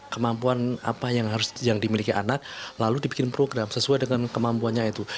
kemampuan apa yang harus yang dimiliki anak lalu dibikin program sesuai dengan kemampuannya itu